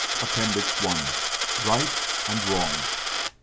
APPENDIX I. RIGHT AND WRONG.